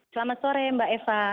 selamat sore mbak eva